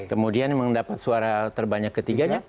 kemudian yang mendapat suara terbanyak ketiganya